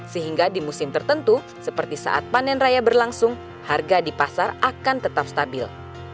sehingga di musim tertentu seperti saat panen raya berlangsung harga di pasar akan tetap stabil